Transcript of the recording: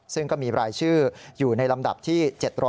ซึ่งก็มีรายชื่ออยู่ในลำดับที่๗๕